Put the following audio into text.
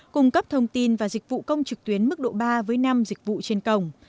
cung cấp thông tin và dịch vụ công trực tuyến mức độ ba với năm dịch vụ trên cổng